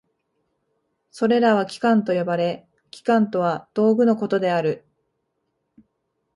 それらは器官と呼ばれ、器官とは道具のことである。